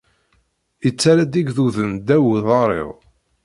Ittarra-d igduden ddaw uḍar-iw.